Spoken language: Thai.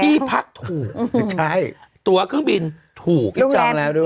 ที่พักถูกตัวเครื่องบินถูกเรียบร้อยจองแล้วด้วย